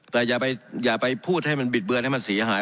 แต่อย่าไปพูดให้มันบิดเบือนให้มันเสียหาย